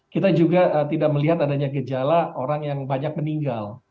kita juga tidak melihat adanya gejala orang yang banyak meninggal